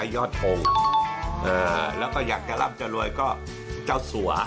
ยอดทงของอายุทยา